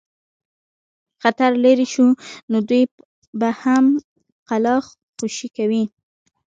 خطر لیري شو نو دوی به هم قلا خوشي کوي.